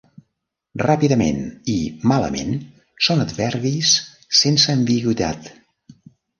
"Ràpidament" i "malament" són adverbis sense ambigüitat.